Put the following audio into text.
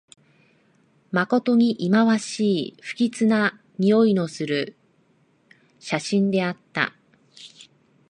まことにいまわしい、不吉なにおいのする写真であった